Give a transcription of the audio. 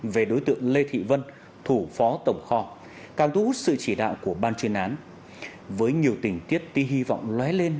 với nhiều tình tiết ti hi vọng lé lên